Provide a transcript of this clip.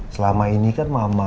selama ini kan mama